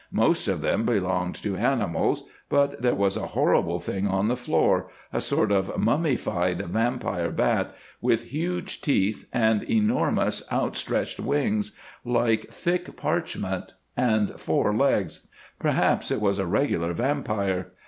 Most of them belonged to animals, but there was a horrible thing on the floor, a sort of mummified vampire bat, with huge teeth and enormous outstretched wings, like thick parchment, and four legs. Perhaps it was a regular vampire.